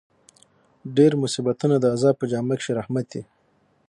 ډېر مصیبتونه د عذاب په جامه کښي رحمت يي.